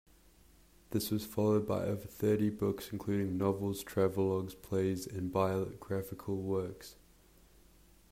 This was followed by over thirty books including novels, travelogues, plays and biographical works.